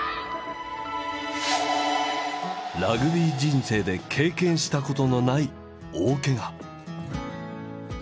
ラグビー人生で経験したことのない大けが。